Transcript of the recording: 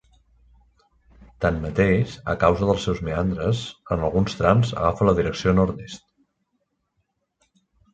Tanmateix, a causa dels seus meandres, en alguns trams agafa la direcció nord-est.